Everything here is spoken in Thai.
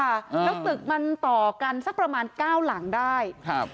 แล้วตึกมันต่อกันสักประมาณ๙หลังได้